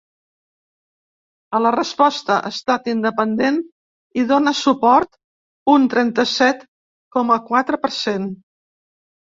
A la resposta ‘estat independent’ hi dóna suport un trenta-set coma quatre per cent.